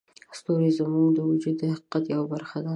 ستوري زموږ د وجود د حقیقت یوه برخه دي.